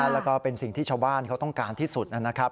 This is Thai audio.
แล้วก็เป็นสิ่งที่ชาวบ้านเขาต้องการที่สุดนะครับ